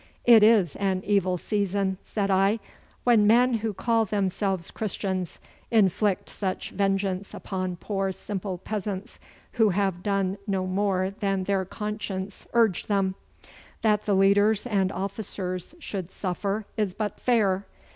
'It is an evil season,' said I, 'when men who call themselves Christians inflict such vengeance upon poor simple peasants, who have done no more than their conscience urged them. That the leaders and officers should suffer is but fair.